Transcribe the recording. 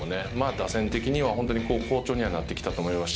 打線的には本当に好調にはなってきたと思います。